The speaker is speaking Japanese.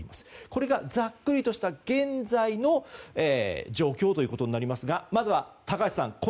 これがざっくりとした現在の状況となりますがまずは高橋さん